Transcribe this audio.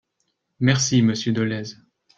Merci, monsieur Dolez.